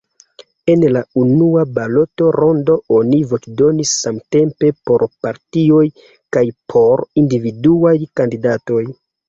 En la unua baloto-rondo oni voĉdonis samtempe por partioj kaj por individuaj kandidatoj.